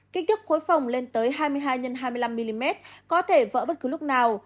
kích thước khối phòng lên tới hai mươi hai x hai mươi năm mm có thể vỡ bất cứ lúc nào